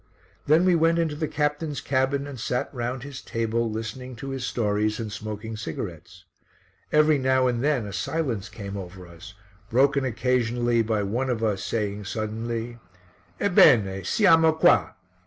Then we went into the captain's cabin and sat round his table listening to his stories and smoking cigarettes. Every now and then a silence came over us, broken occasionally by one of us saying suddenly "Ebbene, siamo qua!"